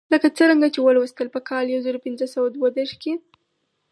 لکه څرنګه چې ولوستل په کال یو زر پنځه سوه دوه دېرش کې.